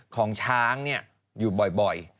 ของช้างอยู่บ่อย